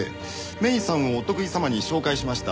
芽依さんをお得意様に紹介しました。